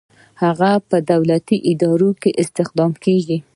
هغه په دولتي اداره کې استخدام کیږي.